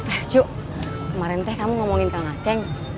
eh cu kemarin teh kamu ngomongin kak ngaceng